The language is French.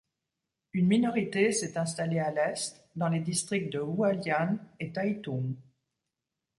Une minorité s’est installée à l’Est dans les districts de Hualian et Taïtung.